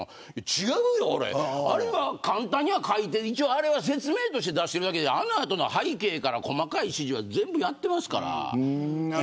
違うよ、簡単に描いてあれは説明として出してるだけで背景から細かい指示は全部やってますから。